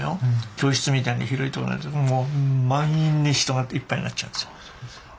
教室みたいに広いとこなんですけどもう満員に人がいっぱいになっちゃうんですよ。